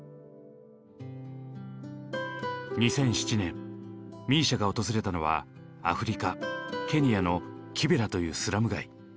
２００７年ＭＩＳＩＡが訪れたのはアフリカケニアのキベラというスラム街。